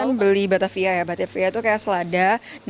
saya beli batavia ya batavia itu kayak selada